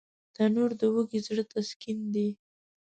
تنور د وږي زړه تسکین دی